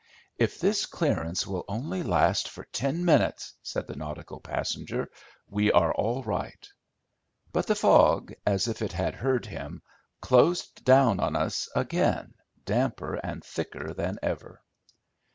"If this clearance will only last for ten minutes," said the nautical passenger, "we are all right." But the fog, as if it had heard him, closed down on us again damper and thicker than ever.